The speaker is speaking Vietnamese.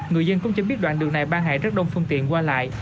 người dân cũng chứng biết đoạn đường này ban hại rất đông phương tiện qua lại